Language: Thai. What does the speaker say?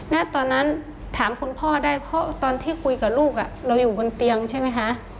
ณตอนนั้นถามคุณพ่อได้เพราะตอนที่คุยกับลูกเราอยู่บนเตียงใช่ไหมคะ